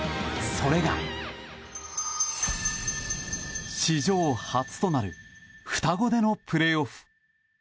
それが、史上初となる双子でのプレーオフ。